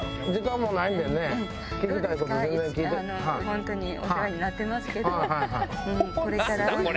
ホントにお世話になってますけど。